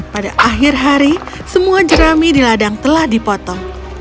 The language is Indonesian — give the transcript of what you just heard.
pada akhir hari semua jerami di ladang telah dipotong